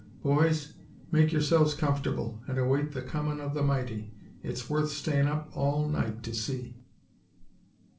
Boys, make yourselves comfortable and await the comin' of the mighty. It's worth stayin' up all night to see."